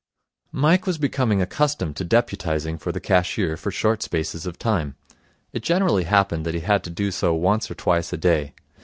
Mike was becoming accustomed to deputizing for the cashier for short spaces of time. It generally happened that he had to do so once or twice a day.